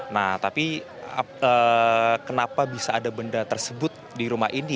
nah tapi kenapa bisa ada benda tersebut di rumah ini